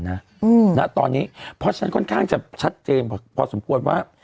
ณตอนนี้เพราะฉะนั้นค่อนข้างจะชัดเจนพอสมควรว่า